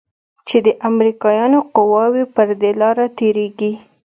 چې د امريکايانو قواوې پر دې لاره تېريږي.